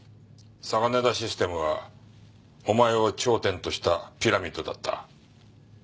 サガネダ・システムはお前を頂点としたピラミッドだった。